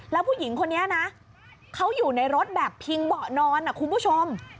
แล้วผู้หญิงคนนี้นะเขาอยู่ในรถแบบพิงเบาะนอนนะคุณผู้ชม